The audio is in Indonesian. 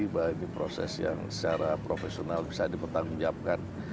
bahwa ini proses yang secara profesional bisa dipertanggungjawabkan